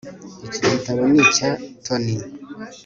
Iki gitabo ni icya Tony